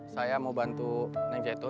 saya mau bantu neng zaitun